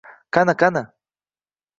Qani-qani?